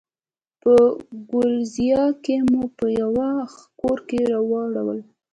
په ګوریزیا کې مو په یوه کور کې واړول.